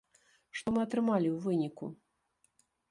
Што мы атрымалі ў выніку?